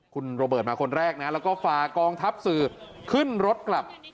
คุณโรเบิร์ตมาคนแรกนะแล้วก็ฝากองทัพสื่อขึ้นรถกลับ